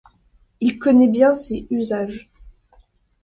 Il connaissait bien ses usages.